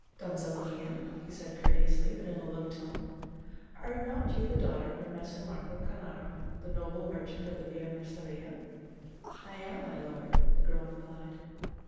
"Donzella mia," he said courteously, but in a low tone; "are not you the daughter of Messer. Marco Cornaro, the noble merchant of the Via Merceria?" "I am, my lord," the girl replied.